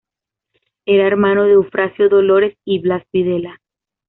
Era hermano de Eufrasio, Dolores y Blas Videla.